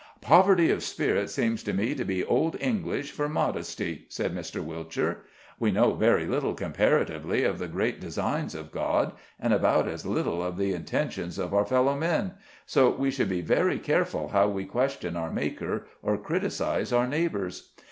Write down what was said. "Poverty of spirit seems to me to be old English for modesty," said Mr. Whilcher, "We know very little, comparatively, of the great designs of God, and about as little of the intentions of our fellow men, so we should be very careful how we question our Maker or criticise our neighbors.